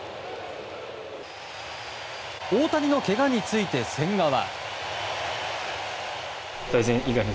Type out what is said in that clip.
大谷のけがについて千賀は。